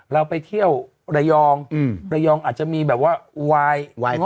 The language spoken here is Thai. เราไปเที่ยวระยองระยองอาจจะมีแบบว่าวาย